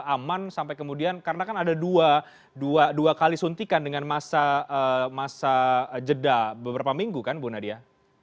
aman sampai kemudian karena kan ada dua kali suntikan dengan masa jeda beberapa minggu kan bu nadia